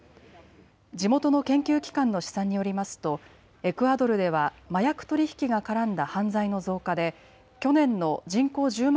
地元の研究機関の試算によりますとエクアドルでは麻薬取り引きが絡んだ犯罪の増加で去年の人口１０万